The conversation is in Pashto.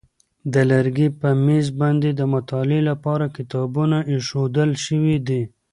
د لرګي په مېز باندې د مطالعې لپاره کتابونه ایښودل شوي دي.